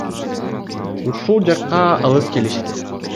Ушул жакка алып келишти.